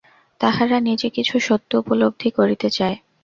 তাহারা নিজে কিছু সত্য উপলব্ধি করিতে চায়।